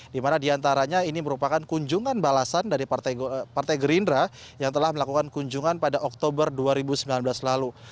di mana diantaranya ini merupakan kunjungan balasan dari partai gerindra yang telah melakukan kunjungan pada oktober dua ribu sembilan belas lalu